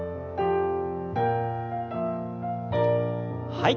はい。